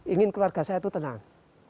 ingin keluarga saya itu tenang